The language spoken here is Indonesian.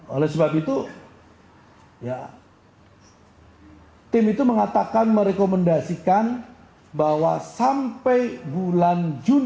oleh sebab itu tim itu mengatakan merekomendasikan bahwa sampai bulan juni